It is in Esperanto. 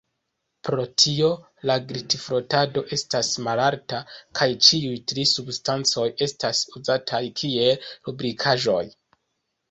Pro tio la glitfrotado estas malalta kaj ĉiuj tri substancoj estas uzataj kiel lubrikaĵoj.